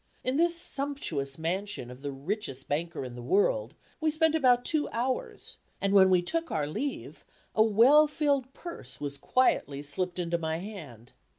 In this sumptuous mansion of the richest banker in the world, we spent about two hours, and when we took our leave a well filled purse was quietly slipped into my hand.